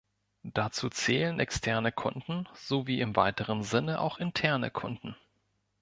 Dazu zählen externe Kunden sowie im weiteren Sinne auch interne Kunden.